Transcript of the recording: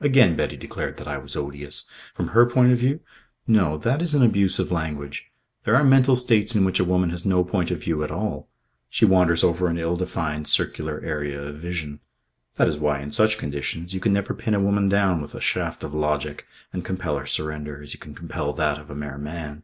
Again Betty declared that I was odious. From her point of view No. That is an abuse of language. There are mental states in which a woman has no point of view at all. She wanders over an ill defined circular area of vision. That is why, in such conditions, you can never pin a woman down with a shaft of logic and compel her surrender, as you can compel that of a mere man.